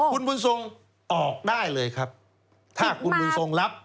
คุณบุญทรงออกได้เลยครับถ้าคุณบุญทรงรับ